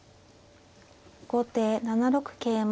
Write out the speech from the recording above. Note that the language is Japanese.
後手７六桂馬。